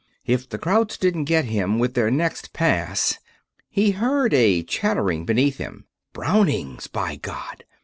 If the krauts didn't get him with their next pass.... He heard a chattering beneath him Brownings, by God!